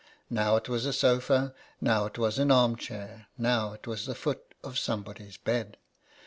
Now it was a sofa, now it was an arm chair, now it was the foot of somebody's bed.